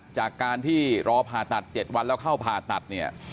จากการที่รอผ่าตัด๗วันแล้วเข้าผ่าตัดเนี่ย